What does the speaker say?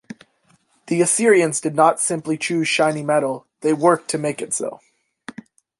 The Assyrians did not simply choose shiny metal; they worked to make it so.